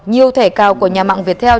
nhiều thẻ cao của nhà mạng việt theo